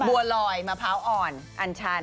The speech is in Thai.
บัวลอยมะพร้าวอ่อนอันชัน